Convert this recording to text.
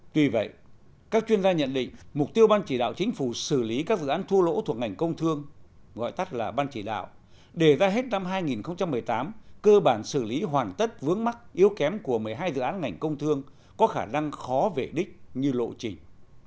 tuy vậy các chuyên gia nhận định mục tiêu ban chỉ đạo chính phủ xử lý các dự án thua lỗ thuộc ngành công thương gọi tắt là ban chỉ đạo đề ra hết năm hai nghìn một mươi tám cơ bản xử lý hoàn tất vướng mắc yếu kém của một mươi hai dự án ngành công thương có khả năng khó về đích như lộ trình